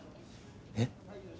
えっ？